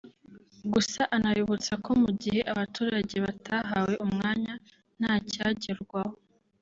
Gusa anabibutsa ko mu gihe abaturage batahawe umwanya nta cyagerwaho